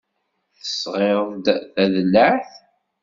Tesɣiḍ-d tadellaɛt?